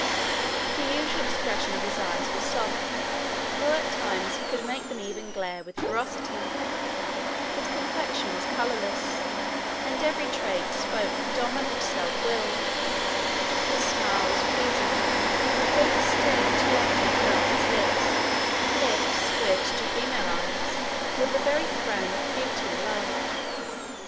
The usual expression of his eyes was soft, though at times he could make them even glare with ferocity; his complexion was colourless; and every trait spoke predominate self will; his smile was pleasing, though disdain too often curled his lips—lips which to female eyes were the very throne of beauty and love.